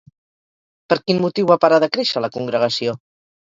Per quin motiu va parar de créixer la congregació?